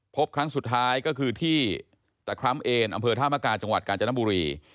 พบครั้งสุดท้ายก็คือที่ตะคร้ำเอนอำเภอธามกาจังหวัดกาญจนบุรี